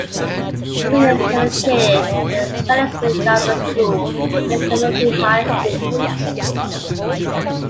Williams was educated at the Salisbury Government School and the Community High School.